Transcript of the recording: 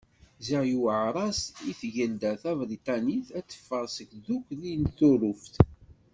Ziɣ yuɛer-as i Tgelda Tabriṭanit ad teffeɣ seg Tdukli n Tuṛuft.